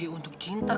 yauda di kudam